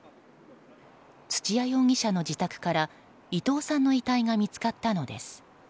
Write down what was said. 土屋容疑者の自宅から伊藤さんの遺体が見つかったのです。